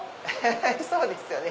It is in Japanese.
そうですよね。